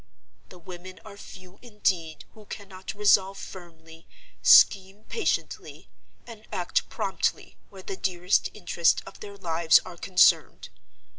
The women are few, indeed, who cannot resolve firmly, scheme patiently, and act promptly where the dearest interests of their lives are concerned.